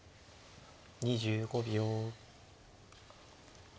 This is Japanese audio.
２５秒。